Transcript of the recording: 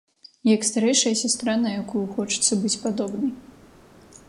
Як старэйшая сястра, на якую хочацца быць падобнай.